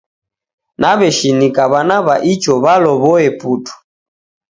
Naw'eshinika w'ana wa icho w'alowoe putu